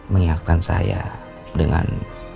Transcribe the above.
mengiakkan saya dengan